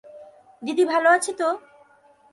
দিদি ভাল আছে তো?